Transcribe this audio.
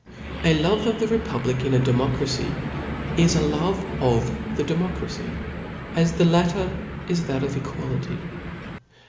A LOVE of the republic in a democracy, is '^^ a love of the democracy, as the latter is that of equality.